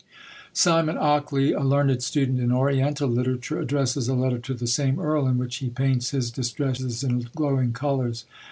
Simon Ockley, a learned student in Oriental literature, addresses a letter to the same earl, in which he paints his distresses in glowing colours.